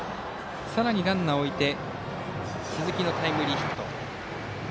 さらにランナーを置いて鈴木のタイムリーヒット。